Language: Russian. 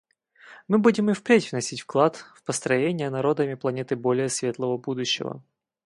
Мы будем и впредь вносить вклад в построение народами планеты более светлого будущего.